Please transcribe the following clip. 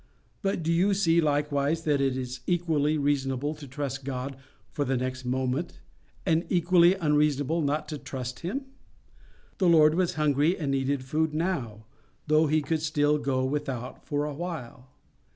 But do you see likewise that it is equally reasonable to trust God for the next moment, and equally unreasonable not to trust Him? The Lord was hungry and needed food now, though He could still go without for a while.